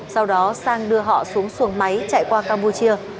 sau đó sang đưa họ xuống xuồng máy chạy qua campuchia